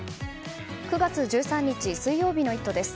９月１３日、水曜日の「イット！」です。